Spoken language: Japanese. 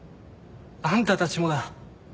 あんたたちもだ。